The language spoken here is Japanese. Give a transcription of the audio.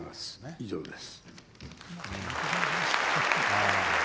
以上です。